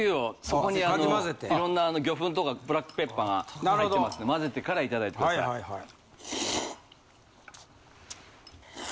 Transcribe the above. そこに色んな魚粉とかブラックペッパーが入ってますから混ぜてからいただいて下さい。